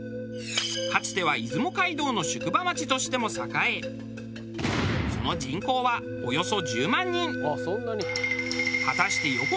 かつては出雲街道の宿場町としても栄えその人口はおよそ１０万人。